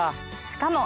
しかも。